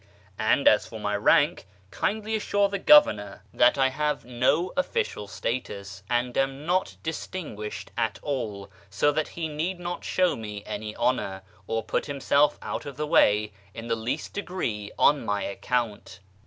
And as !"or my rank, kindly assure the Governor that I have no 364 A YEAR AMONGST THE PERSIANS official status, and am not ' distinguished ' at all, so that he need not show nie any honour, or put himself out of the way in the least degree on my account."